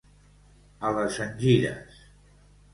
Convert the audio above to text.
A les engires.